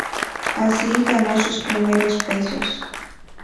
Así, ganó sus primeros pesos.